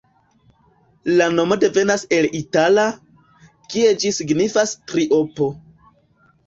La nomo devenas el la itala, kie ĝi signifas triopo.